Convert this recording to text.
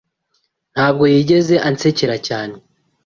Ntabwo yigeze ansekera cyane..